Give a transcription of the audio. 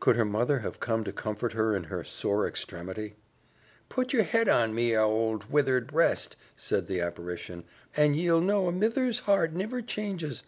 Could her mother have come to comfort her in her sore extremity? "Put yer head on me ould withered breast," said the apparition, "an' ye'll know a mither's heart niver changes.